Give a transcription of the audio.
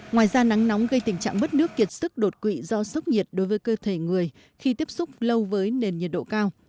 ngoài ra nắng nóng gây tình trạng mất nước kiệt sức đột quỵ do sốc nhiệt đối với cơ thể người khi tiếp xúc lâu với nền nhiệt độ cao